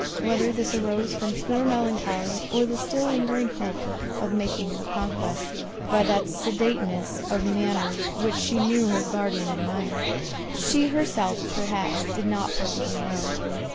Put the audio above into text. Whether this arose from pure melancholy, or the still lingering hope of making her conquest, by that sedateness of manners which she knew her guardian admired, she herself perhaps did not perfectly know.